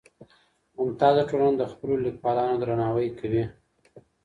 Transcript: ممتازه ټولنه د خپلو ليکوالانو درناوی کوي.